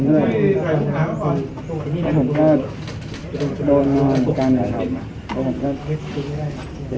ทำไมต้องอู๋อ่ะมีเรื่องในขณะนั้นเลยเหรอ